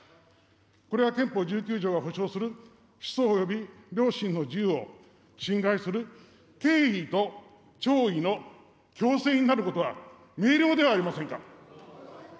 これが憲法１９条が保障する思想および良心の自由を侵害する敬意と弔意の強制になることは明瞭ではありませんか。